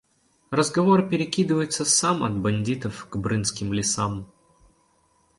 Разговор перекидывается сам от бандитов к Брынским лесам.